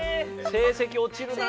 成績落ちるなあ。